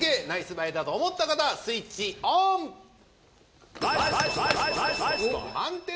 ナイスバイだと思った方スイッチオン！